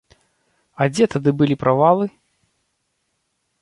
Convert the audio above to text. А дзе тады былі правалы?